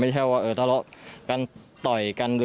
ถ้าละการต่อยกัน